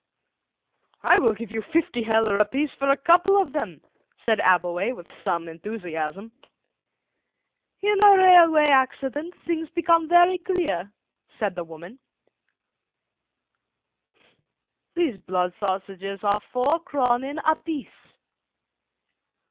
"I will give you fifty heller apiece for a couple of them," said Abbleway with some enthusiasm. "In a railway accident things become very dear," said the woman; "these blood sausages are four kronen apiece."